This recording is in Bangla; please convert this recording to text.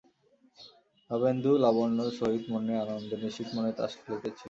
নবেন্দু লাবণ্যর সহিত মনের আনন্দে নিশ্চিতমনে তাস খেলিতেছিল।